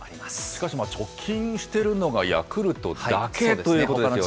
しかし貯金してるのがヤクルトだけということですよね。